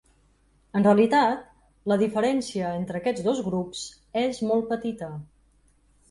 En realitat, la diferència entre aquests dos grups és molt petita.